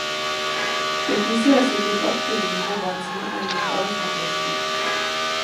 C’est aussi à cette époque que les nouveaux bâtiments agricoles sont construits.